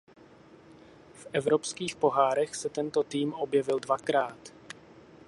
V evropských pohárech se tento tým objevil dvakrát.